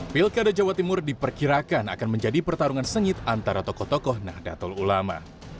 pilkada jawa timur diperkirakan akan menjadi pertarungan sengit antara tokoh tokoh nahdlatul ulama